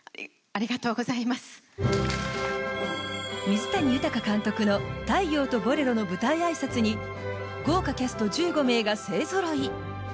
水谷豊監督の「太陽とボレロ」の舞台あいさつに豪華キャスト１５名が勢ぞろい。